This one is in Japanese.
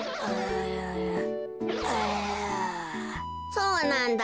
「そうなんだ。